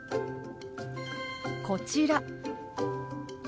こちら。